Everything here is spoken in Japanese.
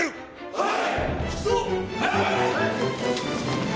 はい！